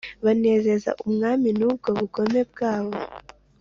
Banezeza umwami n’ubwo bugome bwabo,